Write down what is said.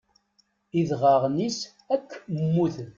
Idɣaɣen-is akk mmuten.